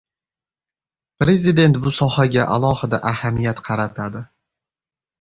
Prezident bu sohaga alohida ahamiyat qaratadi